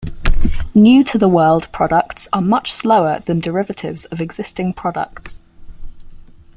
New-to-the-world products are much slower than derivatives of existing products.